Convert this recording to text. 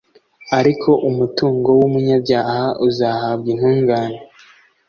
ariko umutungo w'umunyabyaha uzahabwa intungane